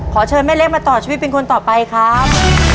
ขอเชิญแม่เล็กมาต่อชีวิตเป็นคนต่อไปครับ